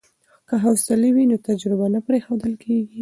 که حوصله وي نو تجربه نه پریښودل کیږي.